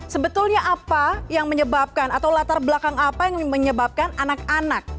sebetulnya apa yang menyebabkan atau latar belakang apa yang menyebabkan anak anak